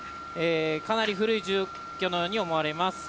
かなり古い住居のように思われます。